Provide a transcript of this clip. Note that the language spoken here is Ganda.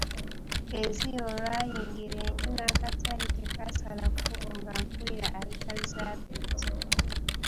Kezia olwayingira enju n'akataayi tekaasala kkubo nga mpulira ayita Zabeeti.